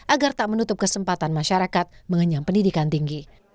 agar tak menutup kesempatan masyarakat mengenyam pendidikan tinggi